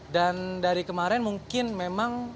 dan dari kemarin mungkin memang